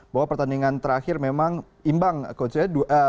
bahwa pertandingan terakhir memang imbang coach ya